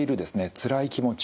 つらい気持ち